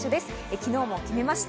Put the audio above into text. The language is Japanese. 昨日も決めました。